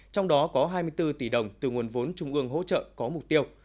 trong đó có hai mươi bốn tỷ đồng từ nguồn vốn trung ương hỗ trợ có mục tiêu